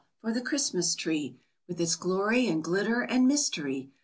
for the Christmas tree With its glory and glitter and mystery!